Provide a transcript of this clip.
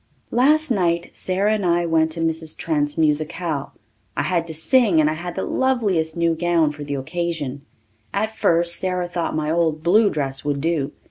Last night Sara and I went to Mrs. Trent's musicale. I had to sing and I had the loveliest new gown for the occasion. At first Sara thought my old blue dress would do.